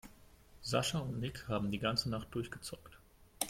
Sascha und Nick haben die ganze Nacht durchgezockt.